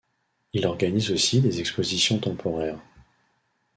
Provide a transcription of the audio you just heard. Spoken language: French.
Il organise aussi des expositions temporaires.